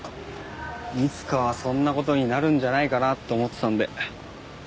いつかはそんな事になるんじゃないかなって思ってたんで。